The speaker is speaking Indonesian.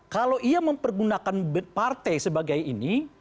kalau ia mempergunakan partai sebagai ini